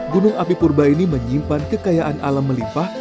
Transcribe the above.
gunung api purba ini menyimpan kekayaan alam melimpah